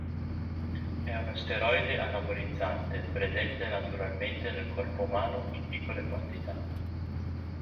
È uno steroide anabolizzante presente naturalmente nel corpo umano in piccole quantità.